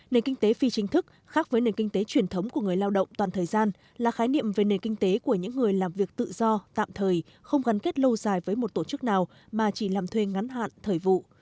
nền kinh tế phi chính thức khác với nền kinh tế truyền thống của người lao động toàn thời gian là khái niệm về nền kinh tế của những người làm việc tự do tạm thời không gắn kết lâu dài với một tổ chức nào mà chỉ làm thuê ngắn hạn thời vụ